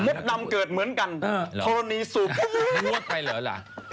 เม็ดน้ำเกิดเหมือนกันธรรณีสุพธรรณีแยกธรรณีสุพ